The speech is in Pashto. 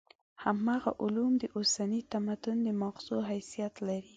همدغه علوم د اوسني تمدن د ماغزو حیثیت لري.